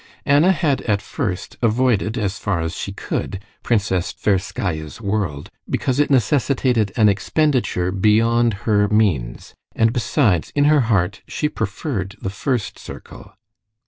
Anna had at first avoided as far as she could Princess Tverskaya's world, because it necessitated an expenditure beyond her means, and besides in her heart she preferred the first circle.